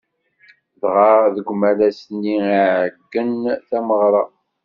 Dɣa deg umalas-nni i iɛeggen tameɣra.